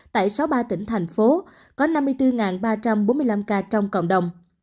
tại sáu mươi ba tỉnh thành phố có năm mươi bốn ba trăm bốn mươi năm ca trong cộng đồng